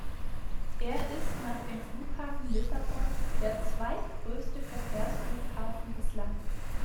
Er ist nach dem Flughafen Lissabon der zweitgrößte Verkehrsflughafen des Landes.